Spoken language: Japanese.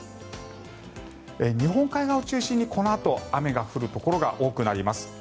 日本海側を中心に、このあと雨が降るところが多くなります。